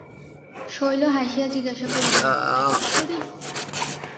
শৈল হাসিয়া জিজ্ঞাসা করিল, একেশ্বরী?